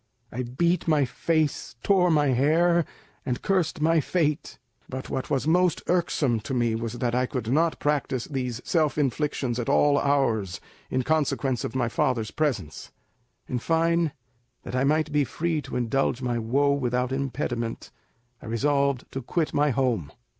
I beat my face, tore my hair, and cursed my fate; but what was most irksome to me was that I could not practise these self inflictions at all hours in consequence of my father's presence. In fine, that I might be free to indulge my woe without impediment, I resolved to quit my home.